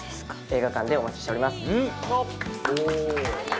映画館でお待ちしております。